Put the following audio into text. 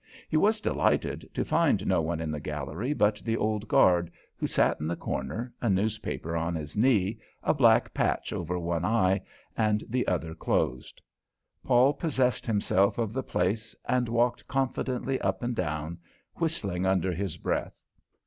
He was delighted to find no one in the gallery but the old guard, who sat in the corner, a newspaper on his knee, a black patch over one eye and the other closed. Paul possessed himself of the place and walked confidently up and down, whistling under his breath.